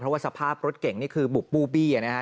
เพราะสภาพรถเก่งนี่คือบุปปู้บี้อ่ะนะฮะ